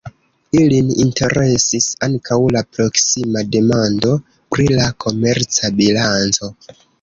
Ilin interesis ankaŭ la proksima demando pri la komerca bilanco.